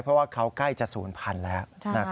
เพราะว่าเขาใกล้จะ๐๐๐๐แล้วนะครับ